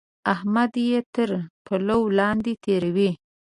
احمد يې تر پلو لاندې تېروي.